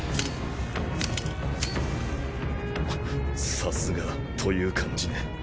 さすがという感じね。